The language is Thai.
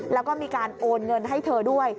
แล้วก็มีการโอนเงินให้เธอด้วย